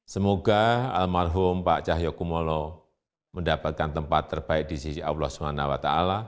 semoga almarhum pak cahyokumolo mendapatkan tempat terbaik di sisi allah swt